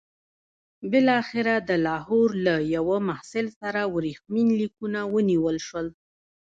بالاخره د لاهور له یوه محصل سره ورېښمین لیکونه ونیول شول.